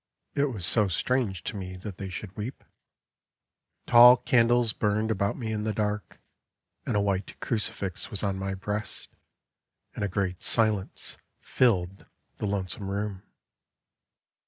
(It was so strange to me that they should weep I) Tall candles burned about me in the dark, And a white crucifix was on my breast, And a great silence filled the lonesome room.